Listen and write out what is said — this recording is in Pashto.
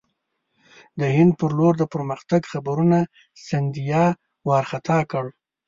د هند پر لور د پرمختګ خبرونو سیندیا وارخطا کړ.